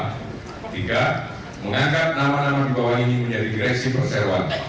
ketiga mengangkat nama nama di bawah ini menjadi direksi perseroan